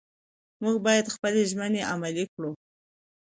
موږ باید خپلې ژمنې عملي کړو